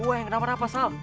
enggak apa apa dek